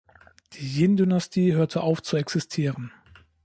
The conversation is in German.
Die Jin Dynastie hörte auf zu existieren.